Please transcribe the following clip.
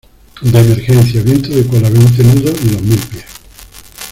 de emergencia, viento de cola veinte nudos y dos mil pies.